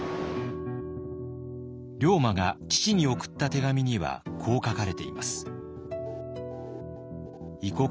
龍馬が父に送った手紙にはこう書かれています。